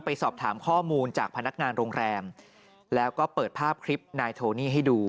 ไปสอบถามข้อมูลจากพนักงานโรงแรมแล้วก็เปิดภาพคลิปนายโทนี่ให้ดู